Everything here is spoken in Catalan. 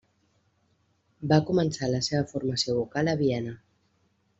Va començar la seva formació vocal a Viena.